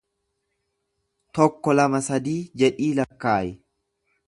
Tokko lama sadii jedhii lakkaayi.